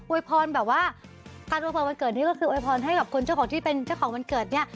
วยพรแบบว่าการอวยพรวันเกิดนี้ก็คือโวยพรให้กับคนเจ้าของที่เป็นเจ้าของวันเกิดเนี่ย